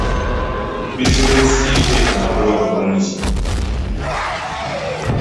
Bizinesi ye teleeta magoba bulungi.